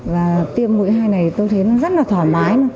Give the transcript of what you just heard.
và tiêm mũi hai này tôi thấy nó rất là thoải mái